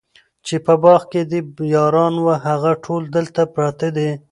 چي په باغ کي دي یاران وه هغه ټول دلته پراته دي